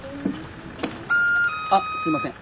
あっすいません。